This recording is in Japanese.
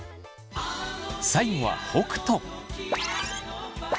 最後は北斗。